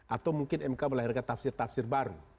atau mungkin mk melahirkan tafsir tafsir baru